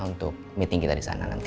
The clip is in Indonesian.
untuk meeting kita disana nanti